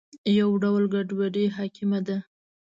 یو ډول ګډوډي حاکمه ده.